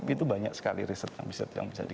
itu banyak sekali riset yang bisa di